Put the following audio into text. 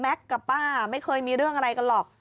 กับป้าไม่เคยมีเรื่องอะไรกันหรอก